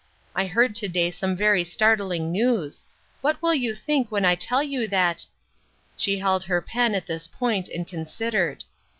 I heard to day some very startling news. What will you think when I tell you that "— she held her pen, at this point, and considered.